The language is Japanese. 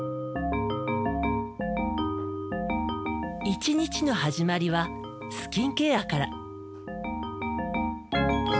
一日の始まりはスキンケアから。